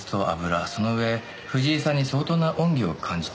その上藤井さんに相当な恩義を感じていた。